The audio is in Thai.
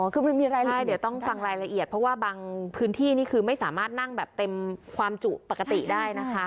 คือมันมีรายได้เดี๋ยวต้องฟังรายละเอียดเพราะว่าบางพื้นที่นี่คือไม่สามารถนั่งแบบเต็มความจุปกติได้นะคะ